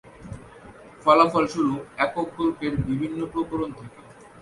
ফলস্বরূপ, একক গল্পের বিভিন্ন প্রকরণ থাকে।